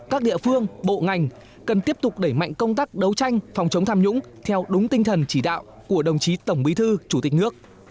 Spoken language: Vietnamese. các địa phương bộ ngành cần tiếp tục đẩy mạnh công tác đấu tranh phòng chống tham nhũng theo đúng tinh thần chỉ đạo của đồng chí tổng bí thư chủ tịch nước